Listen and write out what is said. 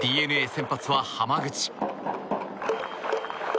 ＤｅＮＡ先発は、濱口。